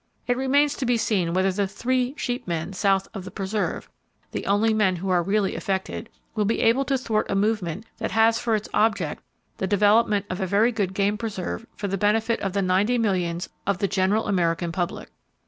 It remains to be seen whether the three sheep men south of the preserve,—the only men who really are affected,—will be able to thwart a movement that has for its object the development of a very good game preserve for the benefit of the ninety millions of the general American public.